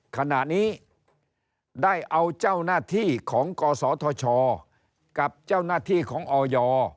ขณะนี้ได้เอาเจ้าหน้าที่ของกศธชกับเจ้าหน้าที่ของออย